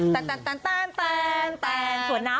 ส่วนน้ำเหรอส่วนน้ำ